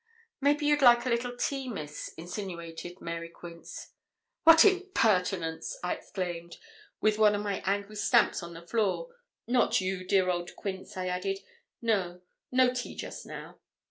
'Maybe you'd like a little tea, Miss?' insinuated Mary Quince. 'What impertinence!' I exclaimed, with one of my angry stamps on the floor. 'Not you, dear old Quince,' I added. 'No no tea just now.'